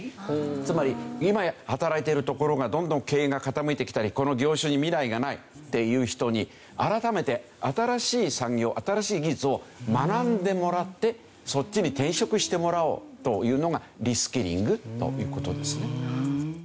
つまり今働いているところがどんどん経営が傾いてきたりこの業種に未来がないっていう人に改めて新しい産業新しい技術を学んでもらってそっちに転職してもらおうというのがリスキリングという事ですね。